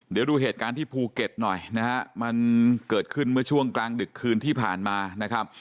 เดี๋ยวดูเหตุการณ์ที่ภูเก็ตหน่อยนะฮะมันเกิดขึ้นเมื่อช่วงกลางดึกคืนที่ผ่านมานะครับ